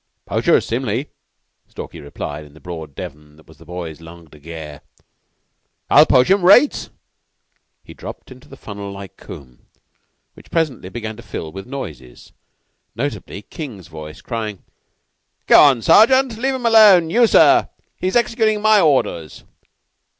"Poachers simly," Stalky replied in the broad Devon that was the boy's langue de guerre. "I'll poach 'em to raights!" He dropped into the funnel like combe, which presently began to fill with noises, notably King's voice crying: "Go on, Sergeant! Leave him alone, you, sir. He is executing my orders."